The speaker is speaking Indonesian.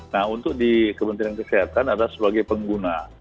nah untuk di kementerian kesehatan adalah sebagai pengguna